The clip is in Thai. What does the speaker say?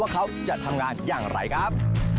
เขาจะทำงานอย่างไรครับ